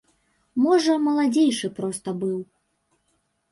Можа, маладзейшы проста быў.